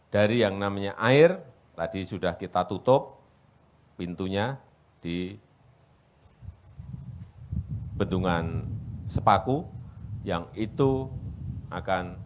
dari yang namanya air tadi sudah kita tutup pintunya di bendungan sepaku yang itu akan